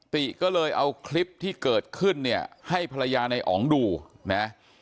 ติก็เลยเอาคลิปที่เกิดขึ้นเนี่ยให้ภรรยาในอ๋องดูนะ